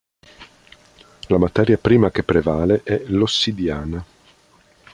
La materia prima che prevale è l'ossidiana.